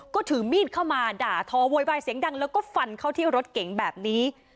ก็ถือมีดเข้ามาด่าทอโวยวายเสียงดังแล้วก็ฟันเข้าที่รถเก๋งแบบนี้